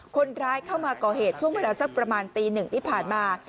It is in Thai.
คนร้ายเข้ามาก่อเหตุช่วงเวลาสักประมาณตีหนึ่งที่ผ่านมา